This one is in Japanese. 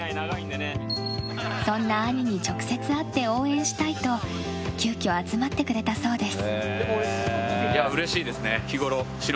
そんな兄に直接会って応援したいと急きょ集まってくれたそうです。